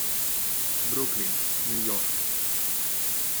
Brooklyn, New York.